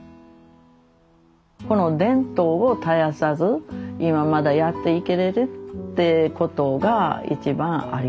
この伝統を絶やさず今まだやっていけれるってことが一番ありがたいなと思うてます。